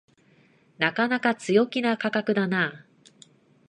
なかなか強気な価格だな